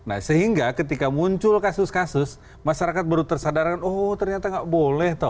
nah sehingga ketika muncul kasus kasus masyarakat baru tersadarkan oh ternyata nggak boleh toh